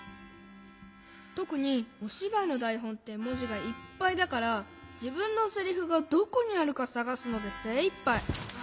とくにおしばいのだいほんってもじがいっぱいだからじぶんのセリフがどこにあるかさがすのでせいいっぱい。